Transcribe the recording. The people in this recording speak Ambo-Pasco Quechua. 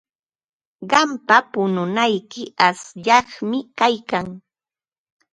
Qampa pununayki asyaqmi kaykan.